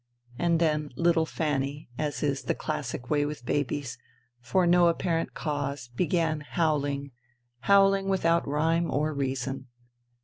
And then little Fanny, as is the classic way with babies, for no apparent cause, began howling, howling without rhyme or reason.